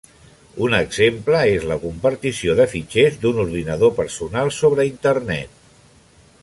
Un exemple és la compartició de fitxers d'un ordinador personal sobre Internet.